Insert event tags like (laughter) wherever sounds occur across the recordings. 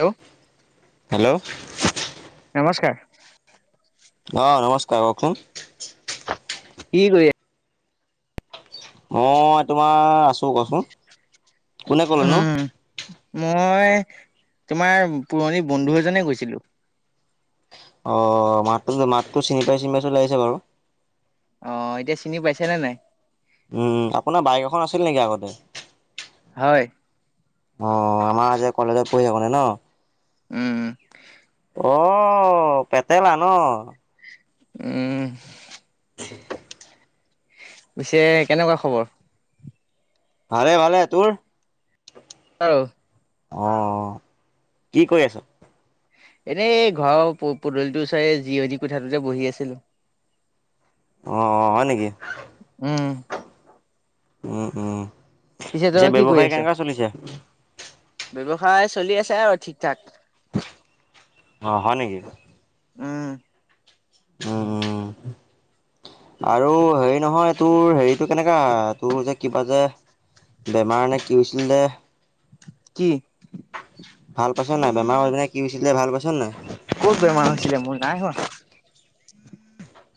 Hello? Hello? নমস্কাৰ। অ, নমস্কাৰ কওকচোন? কি কৰি আছা? মই তোমাৰ আছো কচোন কোনে ক'লেনো? উম মই তোমাৰ পুৰণি বন্ধু এজনে গৈছিলো। অ, মাততো, মাতটো চিনি পাই চিনি পাইছো লাগিছে বাৰু। অ, এতিয়া চিনি পাইছে নে নাই। উম, আপোনাৰ বাইক এখন আছিল নেকি আগতে। হয়। অ, আমাৰ জে কলেজত পঢ়ি (unintelligible) উম, হুম। অ, পেটলা ন। উম। (unintelligible) পিছে কেনেকুৱা খবৰ? ভালে, ভালে তোৰ। আৰু অ, কি কৰি আছ? এনেই ঘৰৰ পদলিটোৰ ওচৰে জীয়ণী কোঠাটোতে বহি আছিলো। অ', অ', হয় নেকি। উম। উম, উম, পিছে তই কি ব্যৱসায় কেনেকুৱা চলিছে। ব্যয়ৱসায় চলি আছে আৰু ঠিক, ঠাক। অ, হয় নেকি। উম। উম, হুম, হু। আৰু হেৰি নহয় তোৰ হেৰিটো কেনেকা তোৰ যে কিবা যে বেমাৰনে কি হৈছিল যে কি? ভাল পাইছ নে নাই বেমাৰ হ'ল নে কি হৈছিলে ভাল পাইছ নাই। ক'ত বেমাৰ হৈছিলে মোৰ নাই হোৱা।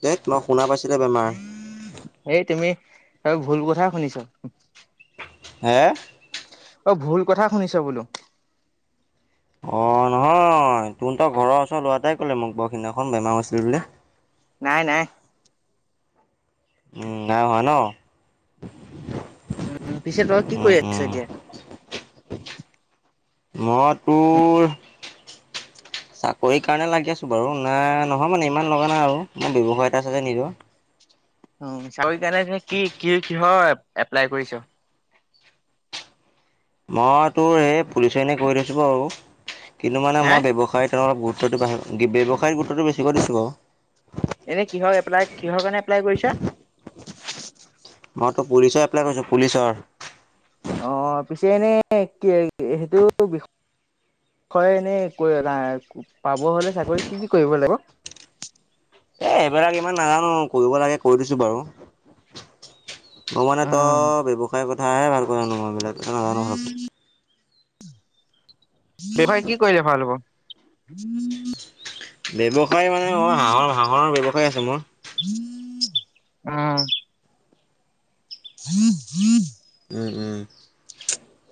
দে মই শুনা পাইছিলো বেমাৰ এই তুমি (unintelligible) ভুল কথাই শুনিছ। হে অ' ভুল কথা শুনিছ বোলো। অ' নহয় তহন তৰ ঘৰৰ ওচৰ লোৱাটাই ক'লে মোক বৰখিদিনাখন বেমাৰ হৈ আছিল বুলি। নাই নাই। উম, নাই হোৱা ন'? উম, পিছে তই কি উম কৰি আহিছ উম এতিয়া? মই তোৰ চাকৰি কাৰণে লাগি আছো বাৰু নাই নহ নহয় মানে ইমান লগা নাই আৰু মোৰ ব্যৱসায় এটা চাগ নিজৰ। উম, চাউৰি কাৰণে কি কি কিহৰ এপ্লাই কৰিছ? মই তোৰ এই পুলিচ এনে কৈ থৈছো বাৰু কিন্তু মানে হে? মই ব্যৱসায় অলপ গ (unintelligible) টো ব্যৱসায় গুত্বটো বেছি কৈ দিছোঁ আৰু। এনে কিহৰ এপ্লাই কিহৰ কাৰণে এপ্লাই কৰিছা? মইতো পুলিচৰ এপ্লাই কৰিছোঁ পুলিচৰ। অ' পিছে এনে কি সেইটো বিষয় হয় এনেই পাব হলে চাকৰি কি কি কৰিব লাগিব? এ এইবিলাক ইমান নাজানো কৰিব লাগে কৰি দিছো বাৰু। ম মানে তো উম, ব্যৱসায়ৰ কথাহে ভাল ক জানো মই বিলাক ত নাজানো ভালকৈ। বপাৰ কি কৰিলে ভাল হ'ব? ব্যৱসায় মানে মই হাঁহৰ হাঁহৰ ব্যৱসায় আছে মোৰ। উম, হুম। উম, উম।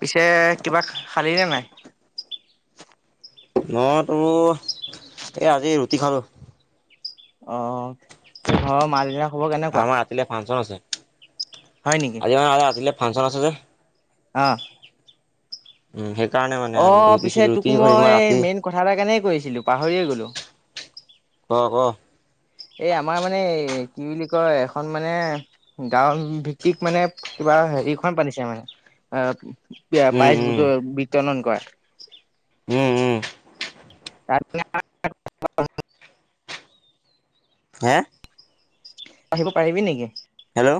পিছে কিবা খালী নে নাই? মইতো এই আজি ৰুটি খালো। অ' সই ঘৰ মা দেতা আমাৰ ৰাতি লেফাংচন আছে। হয় নেকি। আজি মান ৰাতিলৈ ফাংচন আছে যে। অ'। উম সেইকাৰণে মানে অ' ৰুটি পিছে চুটি তোক ৰুটি কৰিম মই ৰাতি মেইন কথা এটা কাৰণেই কৈছিলো পাহৰিয়ে গ'লো। (unintelligible) ক ক। এই আমাৰ মানে কি বুলি কয় এখন মানে গাঁও ভিত্তিক মানে কিবা হেৰিখন পাতিছে মানে আহ এইয়া উম উম পাইচবোৰ বিতৰণ কৰা। উম উম তাত (unintelligible) হে? আহিব পাৰিবি নেকি? হেল্ল'?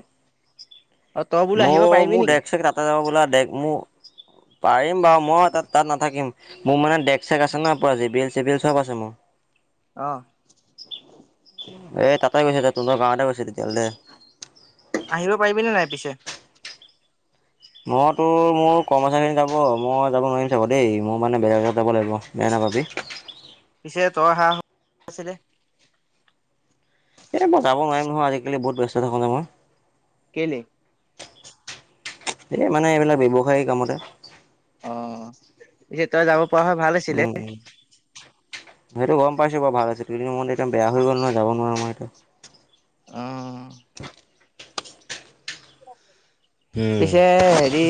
অ তই বোলো আহিব মোৰ পাৰিবি মোৰ নেকি ডক চেক ৰা যাব বোলা মোক পাৰিম বাৰু মই তাত তাত নাথাকিম। মোৰ মানে ডেক চেক আছে ন জেবিয়েল সেবিয়েল চ'ব আছে মোৰ। অ'। এ তাতে গৈছে ত তোমাৰ গাঁৱতে গৈছে তেতিয়া বোলে আহিব পাৰিবিনে নাই পিছে? মই তোৰ মোৰ কৰ্মচাৰ খিনি যাব মই যাব নোৱাৰিম চাব দেই মোৰ মানে বেলেগগত যাব লাগিব। বেয়া নাপাবি। পিছে তই হাঁহ আছিলে। এ মই যাব নোৱাৰিম ন আজি কালি বহুত ব্যস্ত থাকো ন মই। কেলেই? এই মানে এইবিলাক ব্যৱসায় কামতে। অ' পি তই যাব পৰা হয় ভাল আছিলে উম, উম। সেইটো গম পাইছো বাৰু ভাল আছে কিন্তু মনটো এয়া বেয়া হৈ গ'ল নহয় যাব নোৱাৰো মই এয়া অ'। উম। পিছে হেৰি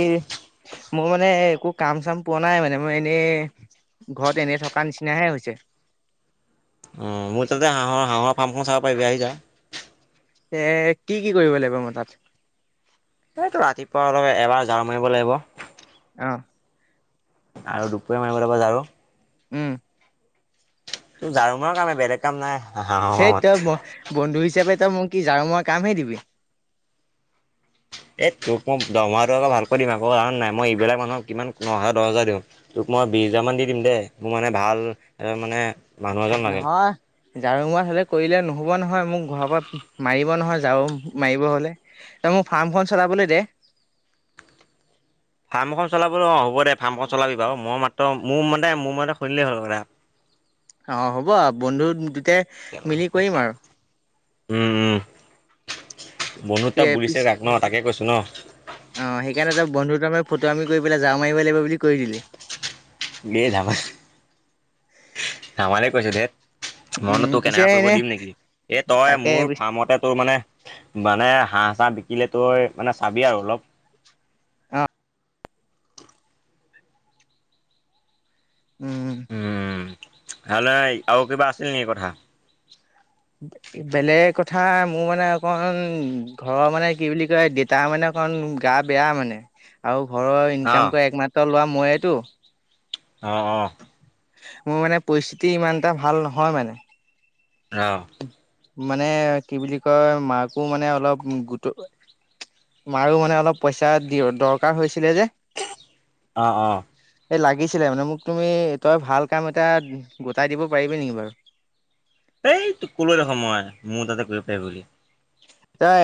মোৰ মানে একো কাম, চাম পোৱা নাই মানে মই এনেই ঘৰত এনেই থকাৰ নিচিনাহে হৈছে। অ, মোৰ তাতে হাঁহৰ, হাঁহৰ ফাৰ্মখন চাব পাৰিবি আহি যা। এ, কি, কি কৰিব লাগিব মই তাত? সেইটো ৰাতিপুৱাৰ লগে এবাৰ জঝাৰ মাৰিব লাগিব। অ'। আৰু দুপৰীয়া মাৰিব লাগিব জাৰো। উম। জাঝাৰু মাৰ কামে বেলেগ কাম নাই। সেই তই বন্ধু হিচাপে তই মোক কি জাঝাৰু মই কামহে দিবি। এই তোক মই দমহাটো আকৌ ভালকৈ দিম আকৌ কাৰণ নাই মই এইবিলাক মানুহক কিমান নহ হাজাৰ, দহ হাজাৰ দিওঁ। তোক মই বিশ হোজাৰ মান দি দিম দেই মোৰ মানে ভাল মানে মানুহ এজন লাগে। নহয়। ঝাৰু মাছ হলে কৰিলে নহব নহয় মোক ঘৰৰ পৰা মাৰিব নহয় ঝাৰু মাৰিব হ'লে তোই মোক ফাৰ্মখন চলাবলৈ দে। ফাৰ্ম এখন চলাবলৈ অ, হ'ব দে ফাৰ্মখন চলাবি বাৰু মই মাত্ৰ মোৰ মতে মোৰ মতে খুনিলেই হ'ল এটা। অ, হ'ব বন্ধু দুটাই। মিলি কৰিম আৰু উম, উম, বন্নু তা বুলিছে পিছ তাক। ন, তাকে কৈছো ন। অ, সেইকাৰণে তই বন্ধু তাৰমাৰ ফটো আমি কৰি পেলাই যাৱা মাৰিব লাগিব বুলি কৰি দিলি। দে ধামালি, ধামালি কৈছো দেত মই উম তোৰ পিছে কেনেকা কৰিব এনে দিম নেকি এই তই তাকে মোৰ ফাৰ্মতে তোৰ মানে মানে হাঁহ, চাঁহ বিকিলে তই মানে চাবি আৰু অলপ অ উম হেল্ আৰু কিবা আছিল নেকি কথা? বেলেগ কথা মোৰ মানে অকণ ঘৰৰ মানে কি বুলি কয় দেতা মানে কাৰণ গা বেয়া মানে আৰু ঘৰৰ অ'। ইনকাম কৰে একমাত্ৰ। ল'ৰা ময়েতো। অ', অ'। মোৰ মানে পৰিস্থিতি ইমান এটা ভাল নহয় মানে। অ'। মানে কি বুলি কয় মাকো মানে অলপ গোট মাৰো মানে অলপ পইচা দৰকাৰ হৈছিলে যে। অ', অ'। এই লাগিছিলে মানে মোক তুমি তই ভাল কাম এটা গোটাই দিব পাৰিবি নেকি বাৰু। এই ক'লৈ দেখো মই মোৰ তাতে কৰিব পাৰা বুলি। তই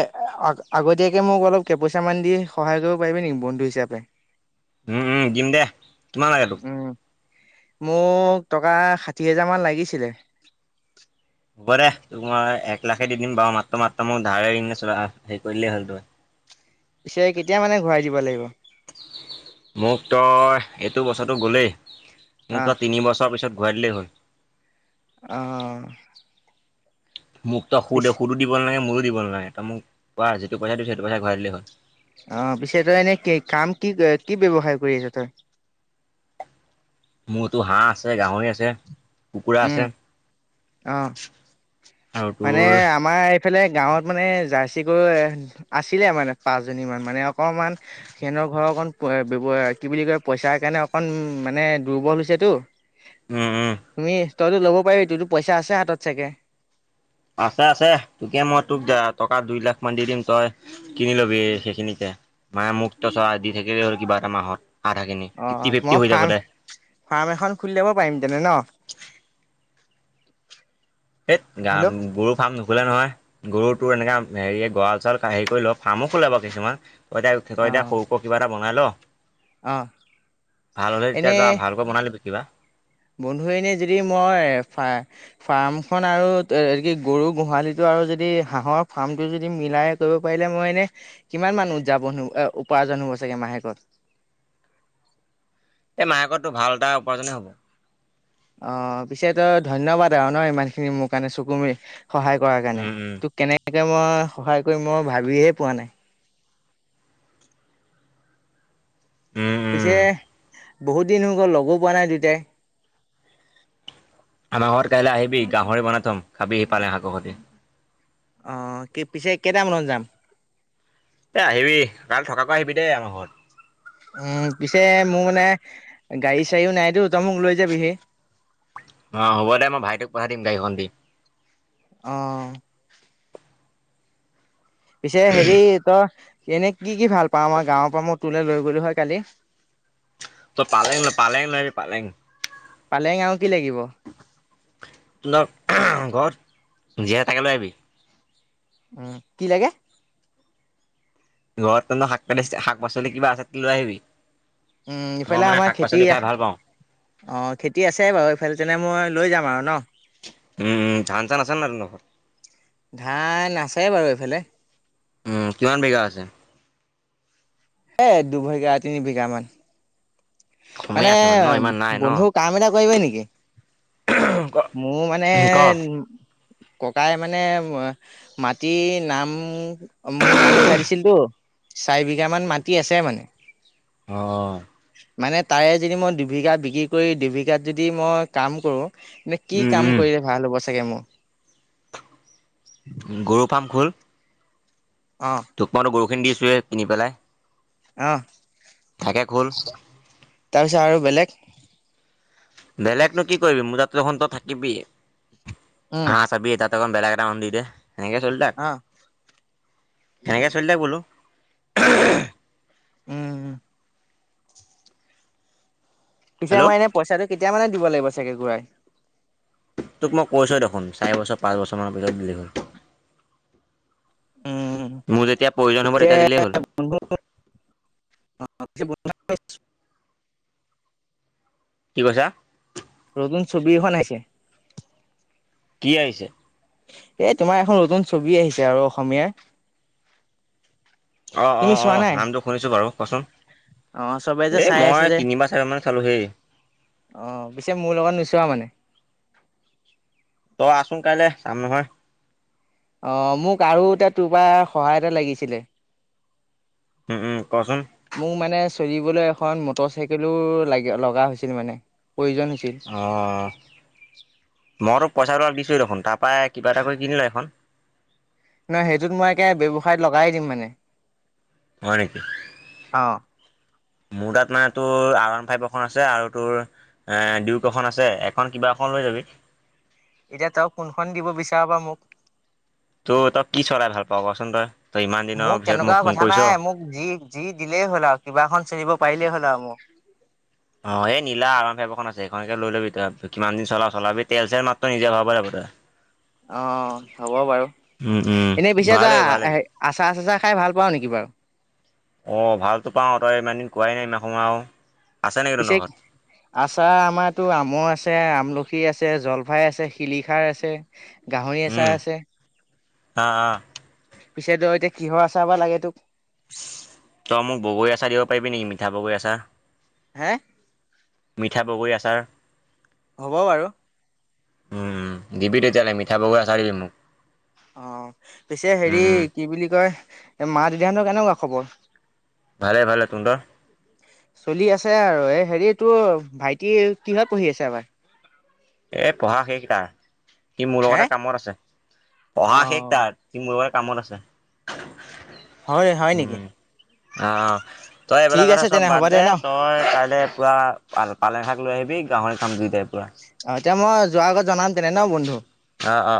আগতীয়াকে মোক অলপ ক পইচামান দি সহায় কৰিব পাৰিবি নেকি বন্ধু হিচাপে। (unintelligible) উম, উম, দিম দে কিমান লাগে তোক? উম মোক টকা ষাঠি হোজাৰ মান লাগিছিলে। হ'ব দে তোক মই এক লাখে দি দিম বাৰু মাত্ৰ, মাত্ৰ মোক ধাৰে ন হেৰিলেই হ'ল তই। পিছে কেতিয়া মানে ঘূৰাই দিব লাগিব। মোক তই এইটো বছৰটো গ'লেই মোক আহ তই তিনিবছৰ পিছত ঘূৰাই দিলে হ'ল। অ'। মোক তো সু দে, পিছে সুদো দিব নালাগ মূলো দিব নালাগে ত মোকোৱা যিটো পইচা দিওঁ সেইটো পইচ ঘূৰাই দিলে হ'ল। অ, পিছে তই এনে কি কাম কি কি ব্যয়ৱসায় কৰি আছ তই। মোৰতো হাঁহ আছে, গাহৰি আছে, কুকুৰা উম আছে। অ, আৰু মানে তোৰ আমাৰ এইফালে গাঁৱত মানে জাৰ্চি গৰু আছিলে মানে পাঁচজনী মান মানে অকণমান। সিহঁতনৰ ঘৰৰ অকণৱ কি বুলি কয় পইচাৰ কাৰণে অকণ মানে দুৰ্বল হৈছেতো। উম উম তুমি তইতো ল'ব পাৰিবি তইতো পইচা আছে হাতত চাগে। আছে, আছে তোকে মই তোক টকা দুই লাখ মান দি দিম তই কিনি লবি সেইখিনিতে মানে মুক্ত চৰা দি থাকিলেই হ'ল কিবা এটা মাহত। আধাখিনি অ ফিফটি, ফিফটি মই হৈ যাব ফাৰ্ম দে। ফাৰ্ম এখন খুলি ল'ব পাৰিম তেনে ন। সেই গা, হেল্ল' গৰু ফাৰ্ম নুখোলে নহয় গৰুটোৰ এনেকৈ হেৰি গঁৰাল, চৰাল হেৰি কৰি লওঁ ফাৰ্মো খোলে বাৰু কিছুমান। তই এতিয়াঁত অ এয়া সৰুক কিবা এটা বনাই ল। অ ভাল হ'লে এনে তেতিয়া এ ভালকৈ বনালিবি কিবা। বন্ধু এনে যদি মই ফাৰ্মখন আৰু কি গৰু গোহালিটো আৰু যদি হাঁহৰ ফাৰ্মটো যদি মিলাই কৰিব পাৰিলে মই এনে কিমান মান উদযাপন হ'ব উপাৰ্জন হ'ব চাগে মাহেকত। এই মাহেকতো ভাল এটা উপাৰ্জ হ'ব। অ, পিছে ত ধন্যবাদ আৰু ন ইমান খিনি মোৰ কাৰণে চুকুমি সহায় কৰাৰ কাৰণে উম উম তোক কেনেকৈ মই সহায় কৰি মই ভাবহে পোৱা নাই। উম পিছে উম বহুত দিন হৈ গ'ল লগো পোৱা নাই দেয়তাই। আমাৰ ঘৰত কাইলৈ আহিবি গাহৰি বনাই থ'ম খাবিহি পালে শাককৰ সৈতে। অ, কি পিছে কেইটামানত যাম? এই আহিবি কাই থকাকৈ আহিবি দেই আমাৰ ঘৰত। উম, পিছে মোৰ মানে গাড়ী চাৰ়ীও নাইতো তই মোক লৈ যাবিহি। অ, দে মই ভাইটোক পঠাই দিম গাড়ীখন দি। অ'। পিছে হেৰি তই এনে কি, কি ভাল পা আমাৰ গাঁৱৰ পৰা মই তোৰলৈ লৈ গলো হয় কালি। ত, পালেং ন, পালেং নি, পালেং পালেং আৰু কি লাগিব? ত, ল ঘৰত যীয়হ তাকে লৈ আহিবি। উম, কি লাগে? ঘৰত তন্তো শাক পাতি শাক-পাচলি কিবা আছে, লৈ আহিবি। উম, মই ইফালে মানে আমাৰ শাক খেতি পাচলি খাই ভাল পাওঁ অ, খেতি আছে বাৰু এইফালে তেনে মই লৈ যাম আৰু ন। উমম চান চান আছে ন, নফৰ ধান নাচায় বাৰু এইফালে উ, কিমান বিঘা আছে। এই দুবিঘা, তিনি বিঘামান। কমেই মানে আছে ন ইমান নাই ন বন্ধু কাম এটা কৰিবিবে নেকি। ক মোৰ মানে ক উ ককাই মানে মাটি নাম মোৰ নাম উঠাই দিছিলতো। চাৰি বিঘামান মাটি আছে মানে। অ'। মানে তাৰে যদি মই দুবিঘা বিক্ৰী কৰি, দুবিঘাত যদি মই কাম কৰো। কি উম কাম উম কৰিলে ভাল হ'ব চাগে মোৰ। গৰু পাম খোল অ'। পাত গৰুখিনি (unintelligible) পিন্ধ পেলাই আহ। থাকে খ, হ'ল। তাৰপিছত আৰু বেলেগ বেলেগনো কি কৰিবি মোৰজাত তো থাকিবি উম হ চবি এ তাত ত বেগ্ৰামওন্দে নেকেলে অ'। বুলো। উম'। পিছে হেল্ল' মই এনেইচাটো কেতিয়া মানে দিব লাগিবাগে ঘূৰাই। তোক মই কৈছোঁ দেখোন চাৰ বছৰ পাঁচছৰমানৰ পিছত দি হ'ল। উম,। মোৰ যেতিয়া প্ৰয়োজন হ'ব পিছে তেতিয়া দিলেই হ'ল। (inaudible) কি কৈছা? নতুন ছবি এখন আহিছে। কি আহিছে? এই তোমাৰ এখন নতুন ছবি আহিছে আৰু অসমীয়াৰ। অ', তুমি অ', চোৱা অ' নাই? নামটো শুনিছোঁ বাৰু, কচোন? অ চবে যে এ চাই আছে মই যে। তিনিবাৰ চাৰি মান চালো হেই। অ' পিছে মোৰ লগত নোচোৱা মানে। তই আছোন কাইলৈ যাম নহয়। অ' মোক আৰু এতিয়া তোৰ পৰা সহায় এটা লাগিছিলে। উম, কচোন। মোক মানে চলিবলৈ এখন মটৰ চাইকেলো লগা হৈছিল মানে প্ৰয়োজন হৈছিল। অ' মইতো পইচা দি দিছোঁ দেখোন তাৰপৰা কিবা এটা কৰি কিনিলো এইখন। নহয় সেইটোত মই একে ব্যয়ৱসায়ত লগাই দিম মানে। হয় নেকি। অ'। মোৰ তাত মানে তোৰ আৰ আন ফাইভ এখন আছে আৰু তোৰ ডিউক এখন আছে এখন কিবা এখন লৈ যাবি। এতিয়া তেওঁক কোনখন দিব বিচৰা বা মোক। তই তই কি চলাই ভাল পাৱ কচোন তই তই ইমান দিনৰ পিছত তেনেকুৱা মোক ফোন কথা কৰিছ। নাই মোক যি যি দিলেই হ'ল আৰু কিবা এখন চিনিব পাৰিলেই হ'ল আৰু মোক। অ' এই নলা আৰাম ফেৰ এখন আছে সখননেকে লৈ লবি তই কিমান দিন চলা চলাবি তেল চেল মাত্ৰ নিজে ভাৰাব লাগিব তই। অ' হ'ব বাৰু উম উম এনেই পিছে ভৰাই যোৱা লবি ভৰাই লবি আচাৰ চাচা খাই ভাল পাওঁ নেকি বাৰু। অ' ভালতটো পাওঁ তই ইমান দিন কোৱাই নাই ইমান সমোয় আৰু। আছে নেকি পিছে তহঁতৰ ঘৰত আচাৰ আমাৰতো আমৰ আছে আমলখি আছে জলফাই আছে শিলিখাৰ আছে। গাহৰি আচাৰ উম আছে। আহ আহ পিছেত এতি কিহৰ চচাৰৰ বা লাগেত তোক। তই মোক বগৰী আচাৰ দিব পাৰিবি নেকি মিঠা বগৰী আচাৰ। হে? মিঠা বগৰী আচাৰ। হ'ব বাৰু। উম, দিবি তেতিয়াহ'লে মিঠা বগুৰা চাই দিবি মোক। অ' পিছে উম হেৰি উম। কি বুলি কয় মা দেদাহতৰ কেনেকুৱা খবৰ? ভালে ভালে, তুন্দৰ? চলি আছে আৰু এই হেৰি তোৰ ভাইটি কিহত পঢ়ি আছে এবাৰ? এই পঢ়া শেষ তাৰ কি মোৰ হে? লগতে কামত আছে পঢ়া শেষ অ', তাৰ। কি মোৰব কামত আছে হয় হয় নেকি? উম, আহ। তই ঠিক এইবিলাক এথা আছে চব তেনে হ'ব বাদ দে ন' ত তই কাইলৈ পুৰা পালেন শাক লৈ আহিবি, গাহৰি খাম দুইটাই পুৰা। অ, এতিয়া মই যোৱাৰ আগত জনাম তেনে ন বন্ধু। অ', অ', অ'।